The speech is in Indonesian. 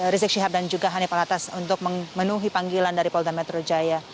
rizik syihab dan juga hanif alatas untuk memenuhi panggilan dari polda metro jaya